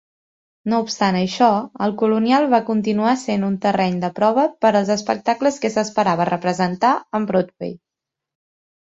No obstant això, el Colonial va continuar sent un terreny de prova per als espectacles que s'esperava representar en Broadway.